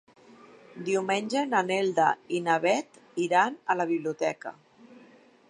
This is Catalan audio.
Diumenge na Neida i na Bet iran a la biblioteca.